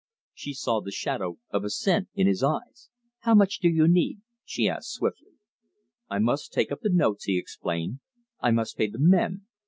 She saw the shadow of assent in his eyes. "How much do you need?" she asked swiftly. "I must take up the notes," he explained. "I must pay the men.